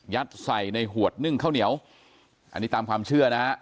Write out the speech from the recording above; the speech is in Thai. ใส่ในหวดนึ่งข้าวเหนียวอันนี้ตามความเชื่อนะฮะ